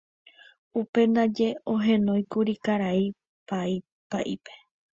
Upéi ndaje ohenóikuri karai pa'ípe.